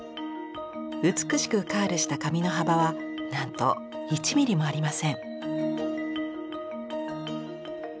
美しくカールした紙の幅はなんと１ｍｍもありません。